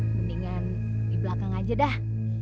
mendingan di belakang aja dah